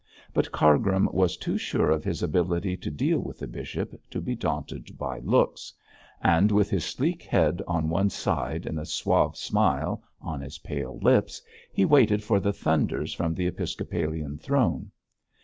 But Cargrim was too sure of his ability to deal with the bishop to be daunted by looks, and with his sleek head on one side and a suave smile on his pale lips, he waited for the thunders from the episcopalian throne.